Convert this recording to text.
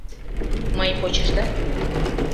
— Мый... почешда пурем.